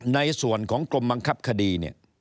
ในส่วนของกรมบังคับคดีเนี่ย